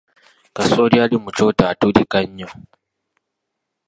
Kasooli ali mu kyoto atulika nnyo.